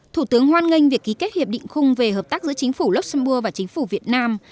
thủ tướng hoan nghênh việc ký kết hiệp định khung về hợp tác giữa chính phủ luxembourg và chính phủ việt nam